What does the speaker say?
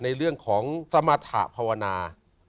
ในเรื่องของสมรรถะภาวนา